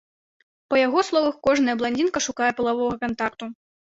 Па яго словах, кожная бландзінка шукае палавога кантакту.